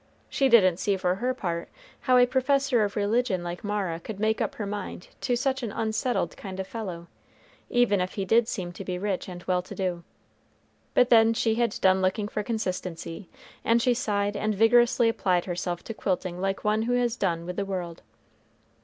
She didn't see, for her part, how a professor of religion like Mara could make up her mind to such an unsettled kind of fellow, even if he did seem to be rich and well to do. But then she had done looking for consistency; and she sighed and vigorously applied herself to quilting like one who has done with the world.